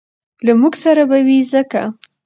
له موږ سره به وي ځکه